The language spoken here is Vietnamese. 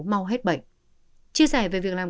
mau hết bệnh chia sẻ về việc làm